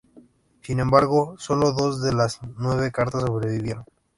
Sin embargo, sólo dos de las nueve cartas sobrevivieron.